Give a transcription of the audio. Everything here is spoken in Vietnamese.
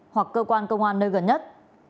hoặc cơ quan công an nơi gần nhất